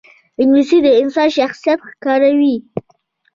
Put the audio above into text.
انګلیسي د انسان شخصیت ښکاروي